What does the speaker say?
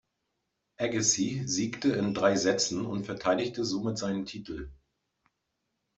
Agassi siegte in drei Sätzen und verteidigte somit seinen Titel.